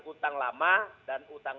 hutang lama dan hutang